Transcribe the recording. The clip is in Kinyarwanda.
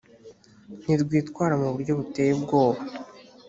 ntirwitwara mu buryo buteye ubwoba